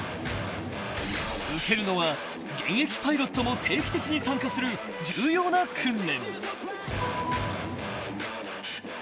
［受けるのは現役パイロットも定期的に参加する重要な訓練］